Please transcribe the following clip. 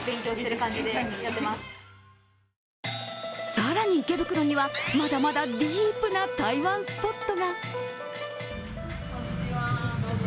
更に池袋には、まだまだディープな台湾スポットが。